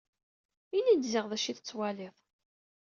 Ini-d ziɣ d acu i tettwaliḍ.